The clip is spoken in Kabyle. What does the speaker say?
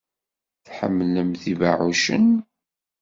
Tḥemmlemt ibeɛɛucen?